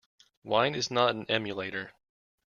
Wine is not an emulator.